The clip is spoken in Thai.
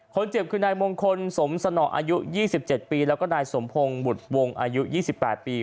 คนเจ็บคือนายมงคลสมสนออายุ๒๗ปีแล้วก็นายสมพงศ์บุตรวงอายุ๒๘ปี